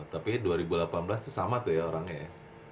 tapi dua ribu delapan belas itu sama tuh ya orangnya ya